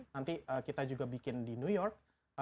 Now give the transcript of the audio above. nanti kita juga bikin di new york